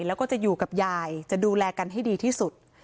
แล้วก็จะอยู่กับยายจะดูแลกันให้ดีที่สุด